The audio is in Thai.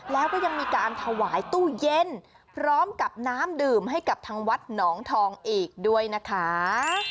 แล้วก็ยังมีการถวายตู้เย็นพร้อมกับน้ำดื่มให้กับทางวัดหนองทองอีกด้วยนะคะ